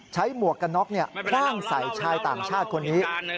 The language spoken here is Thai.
หมวกกันน็อกคว่างใส่ชายต่างชาติคนนี้